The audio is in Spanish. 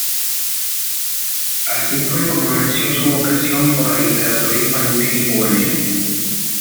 Así fue como nació su vocación por la Literatura infantil y juvenil.